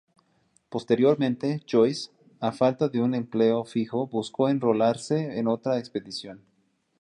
Posteriormente, Joyce, a falta de un empleo fijo buscó enrolarse en otra expedición.